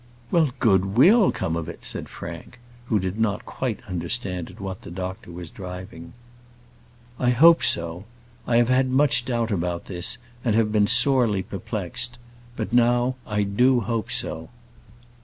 "Well; good will come of it," said Frank, who did not quite understand at what the doctor was driving. "I hope so. I have had much doubt about this, and have been sorely perplexed; but now I do hope so.